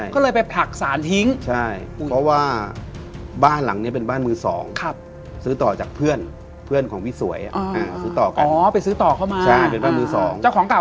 เขาก็พยายามจะไปผักสารทิ้ง